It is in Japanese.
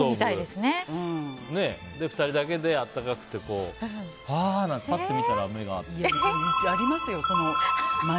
で、２人だけで暖かくてパッと見たら目が合って。